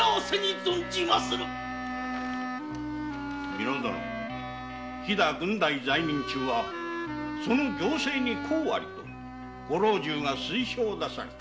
美濃殿飛郡代在任中はその行政に功ありとご老中が推奨なされた。